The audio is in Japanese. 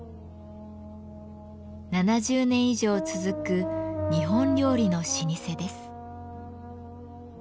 ７０年以上続く日本料理の老舗です。